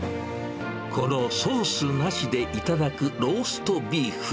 このソースなしで頂くローストビーフ。